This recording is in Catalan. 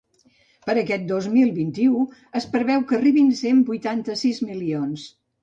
Per aquest dos mil vint-i-u, es preveu que arribin cent vuitanta-sis milions.